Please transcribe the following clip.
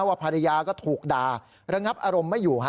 ภรรยาก็ถูกด่าระงับอารมณ์ไม่อยู่ฮะ